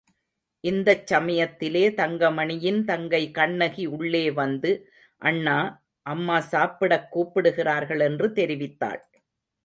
இந்தச் சமயத்திலே தங்கமணியின் தங்கை கண்ணகி உள்ளே வந்து, அண்ணா, அம்மா சாப்பிடக் கூப்பிடுகிறார்கள் என்று தெரிவித்தாள்.